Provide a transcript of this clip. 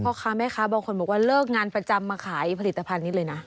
พ่อค้าแม่ค้าบางคนบอกว่าเลิกงานประจำมาขายผลิตภัณฑ์นี้เลยนะ